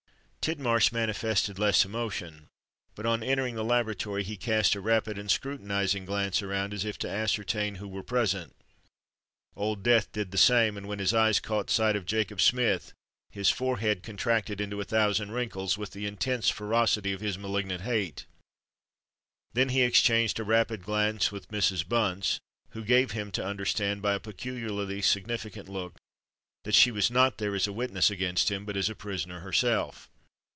Tidmarsh manifested less emotion; but, on entering the laboratory, he cast a rapid and scrutinizing glance around, as if to ascertain who were present. Old Death did the same; and when his eyes caught sight of Jacob Smith, his forehead contracted into a thousand wrinkles with the intense ferocity of his malignant hate: then he exchanged a rapid glance with Mrs. Bunce, who gave him to understand, by a peculiarly significant look, that she was not there as a witness against him, but as a prisoner herself.